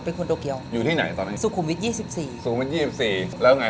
เป็นคนโตเกียวอยู่ที่ไหนตอนนี้สุขุมวิทยี่สิบสี่สูงวิทยี่สิบสี่แล้วไง